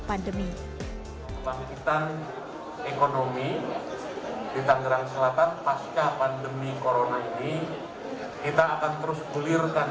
pandemi ekonomi di tanggerang selatan pasca pandemi corona ini kita akan terus kulirkan